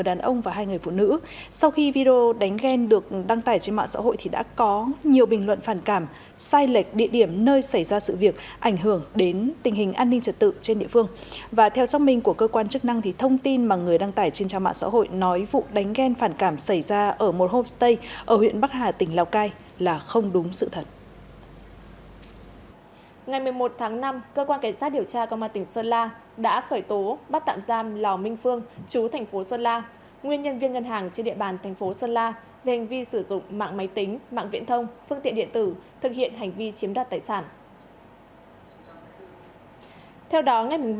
đến ngay cơ quan cảnh sát điều tra công an tỉnh sơn la trình báo để giải quyết theo quy định